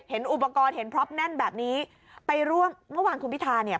เห็นอุปกรณ์เห็นพล็อปแน่นแบบนี้ไปร่วมเมื่อวานคุณพิธาเนี่ย